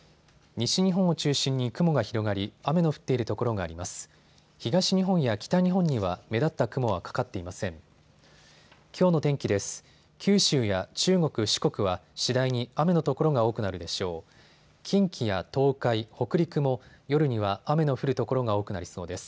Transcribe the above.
西日本を中心に雲が広がり、雨の降っている所があります。